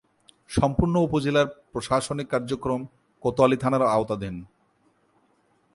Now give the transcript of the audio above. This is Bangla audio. সম্পূর্ণ উপজেলার প্রশাসনিক কার্যক্রম কোতোয়ালী থানার আওতাধীন।